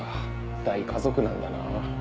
大家族なんだな。